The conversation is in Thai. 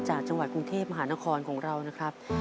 จากจังหวัดกรุงเทพมหานครของเรานะครับ